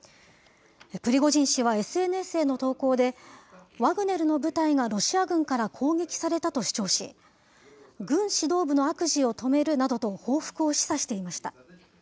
プリゴジン氏はＳＮＳへの投稿で、ワグネルの部隊がロシア軍から攻撃されたと主張し、軍指導部の悪事を止めるなどと報復を示唆していました。